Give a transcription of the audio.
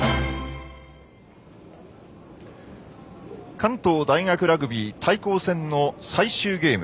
関東大学ラグビー対抗戦の最終ゲーム。